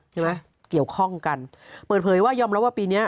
ใช่ไหมเกี่ยวข้องกันเหมือนเผยว่ายอมรับว่าปีเนี้ย